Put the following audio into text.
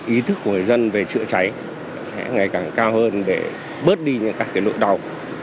ý thức của người dân về chữa cháy sẽ ngày càng cao hơn để bớt đi những lỗi đau